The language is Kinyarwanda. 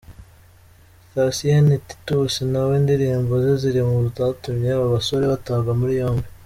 Thacien Titus nawe indirimbo ze ziri mu zatumye aba basore batabwa muri yombi.